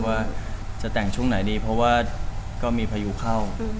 ว่าจะแต่งช่วงไหนดีเพราะว่าก็มีพายุเข้า